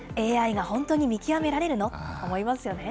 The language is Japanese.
ＡＩが本当に見極められるの？と思いますよね。